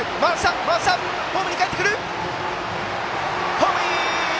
ホームイン！